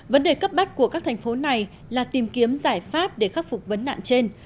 vấn đề cấp bách của các thành phố này là tìm kiếm giải pháp để khắc phục vấn nạn trên